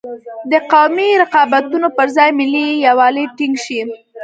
د قومي رقابتونو پر ځای ملي یوالی ټینګ شي.